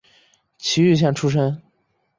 崎玉县出身。